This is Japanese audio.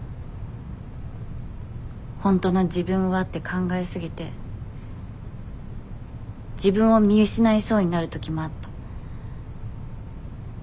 本当の自分はって考え過ぎて自分を見失いそうになる時もあった。